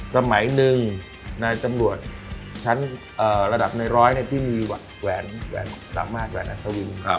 สมัยหนึ่งในจำรวจชั้นระดับในร้อยที่มีแหวนอัศวิน